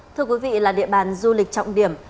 thưa quý vị là địa bàn du lịch trọng điểm